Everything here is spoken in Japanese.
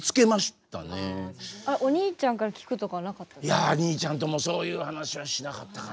いや兄ちゃんともそういう話はしなかったかな。